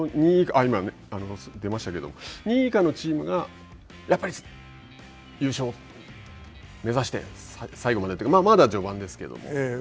これは２位以下のチームが、やっぱり優勝目指して最後までというか、まだ序盤ですけれども。